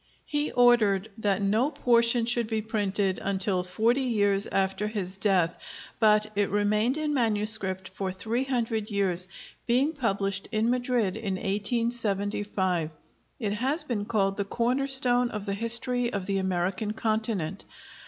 He ordered that no portion should be printed until forty years after his death, but it remained in manuscript for three hundred years, being published at Madrid in 1875. It has been called the corner stone of the history of the American continent.